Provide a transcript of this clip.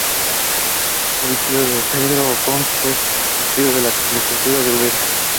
Fue tío de Pedro de Ocón, que fue arcediano de la colegiata de Úbeda.